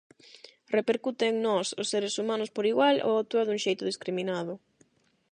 Repercute en nós, os seres humanos, por igual ou actúa dun xeito discriminado?